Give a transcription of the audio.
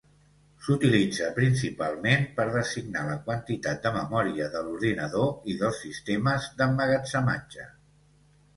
S'utilitza principalment per designar la quantitat de memòria de l'ordinador i dels sistemes d'emmagatzematge.